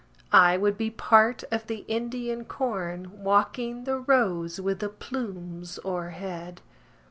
I would be part of the Indian corn, Walking the rows with the plumes o'erhead.